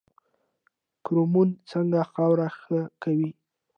کرمونه څنګه خاوره ښه کوي؟